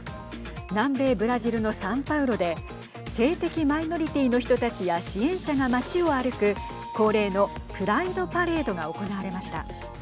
南米ブラジルのサンパウロで性的マイノリティーの人たちや支援者が街を歩く恒例のプライド・パレードが行われました。